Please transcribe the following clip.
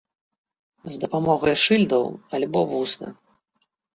З дапамогай шыльдаў, альбо вусна.